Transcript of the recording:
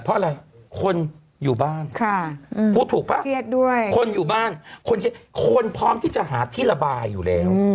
เพราะอะไรคนอยู่บ้านพูดถูกป่ะคนอยู่บ้านคนพร้อมที่จะหาที่ระบายอยู่แล้ว